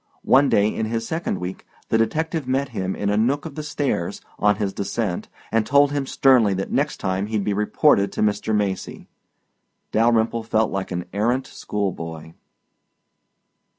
One day in his second week the detective met him in a nook of the stairs, on his descent, and told him sternly that next time he'd be reported to Mr. Macy. Dalyrimple felt like an errant schoolboy.